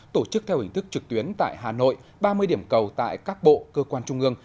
tổ chức theo hình thức trực tuyến tại hà nội ba mươi điểm cầu tại các bộ cơ quan trung ương